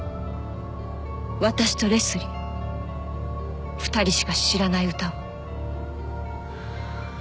私とレスリー２人しか知らない歌を。